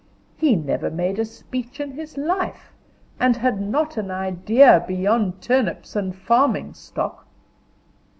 He never made a speech in his life, and had not an idea beyond turnips and farming stock.